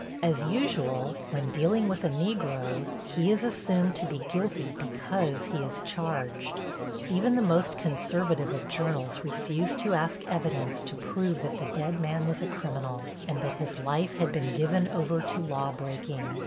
As usual, when dealing with a negro, he is assumed to be guilty because he is charged. Even the most conservative of journals refuse to ask evidence to prove that the dead man was a criminal, and that his life had been given over to lawbreaking.